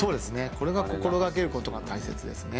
これが心掛けることが大切ですね。